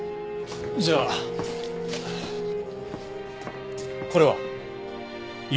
じゃあこれは？